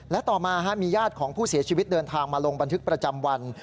และต่อมามีญาติของผู้เสียชีวิตเดินทางมาลงบันทึกประจำวัน